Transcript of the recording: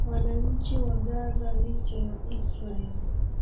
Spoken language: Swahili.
wananchi wa ghaza licha ya israel